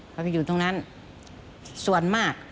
เขาไปอยู่ตรงนั้นส่วนมาก